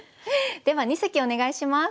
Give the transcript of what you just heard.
では二席お願いします。